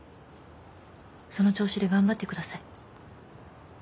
その調子で頑張ってください。